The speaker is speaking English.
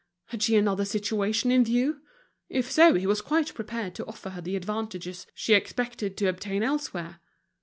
Had she another situation in view? If so, he was quite prepared to offer her the advantages she expected to obtain elsewhere.